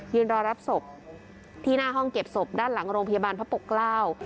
รอรับศพที่หน้าห้องเก็บศพด้านหลังโรงพยาบาลพระปกเกล้า